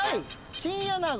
チンアナゴ。